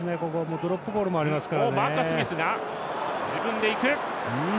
ドロップゴールもありますから。